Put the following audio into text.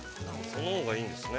◆そのほうがいいんですね。